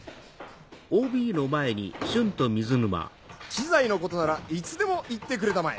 資材のことならいつでも言ってくれたまえ。